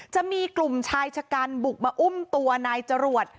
จะมีกลุ่มชายชะกันบุกมาอุ้มตัวนายจรวด